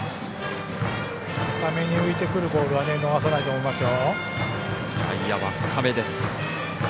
高めに浮いてくるボールは逃さないと思いますよ。